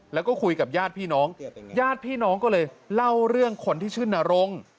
แล้วก็คุยกับญาติพี่น้องญาติพี่น้องก็เลยเล่าเรื่องคนที่ชื่อนรง